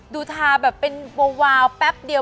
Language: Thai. ดูทาแบบเป็นวาวแป๊บเดียว